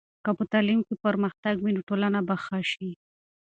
که په تعلیم کې پرمختګ وي، نو ټولنه به ښه شي.